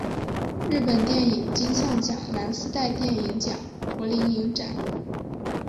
日本电影金像奖蓝丝带电影奖柏林影展